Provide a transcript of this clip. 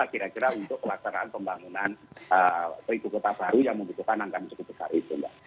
kira kira untuk pelaksanaan pembangunan ibu kota baru yang membutuhkan angka yang cukup besar itu mbak